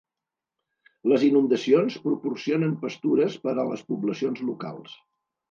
Les inundacions proporcionen pastures per a les poblacions locals.